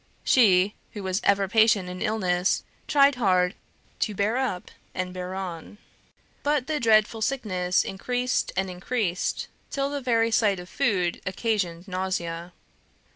She, who was ever patient in illness, tried hard to bear up and bear on. But the dreadful sickness increased and increased, till the very sight of food occasioned nausea.